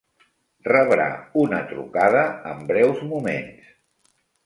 Rebrà una trucada en breus moments.